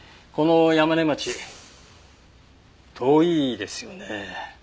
この山子町遠いですよね。